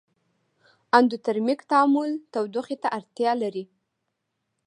اندوترمیک تعامل تودوخې ته اړتیا لري.